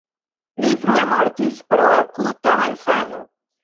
Li frue mortis pro akuta malsano.